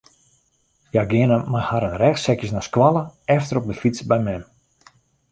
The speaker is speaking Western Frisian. Hja geane mei harren rêchsekjes nei skoalle, efter op de fyts by mem.